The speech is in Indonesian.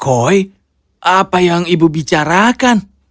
koi apa yang ibu bicarakan